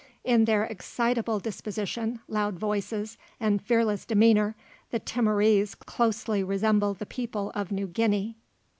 In their excitable disposition, loud voices, and fearless demeanour, the Timorese closely resemble the people of New Guinea.